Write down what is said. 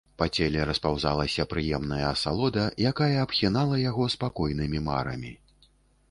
Па целе распаўзалася прыемная асалода, якая абхінала яго спакойнымі марамі.